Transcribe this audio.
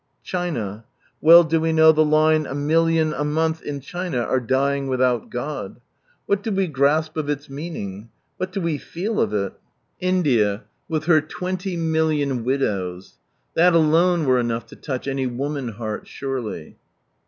China. Well do we know the line "A million a month in China are dying without God." What do we grasp of its meaning ? What do we feel of ii I On with the Message 165 India, With her twenty million widows. That alone were enough to touch any woman heart surely